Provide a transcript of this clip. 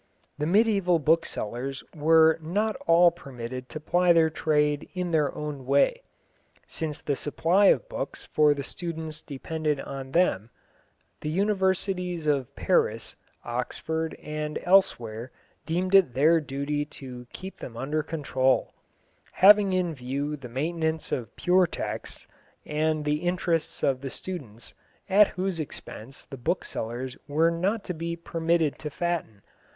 The mediæval booksellers were not all permitted to ply their trade in their own way. Since the supply of books for the students depended on them, the Universities of Paris, Oxford, and elsewhere deemed it their duty to keep them under control, having in view the maintenance of pure texts and the interests of the students, at whose expense the booksellers were not to be permitted to fatten.